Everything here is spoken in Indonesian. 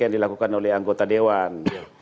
yang dilakukan oleh anggota dewan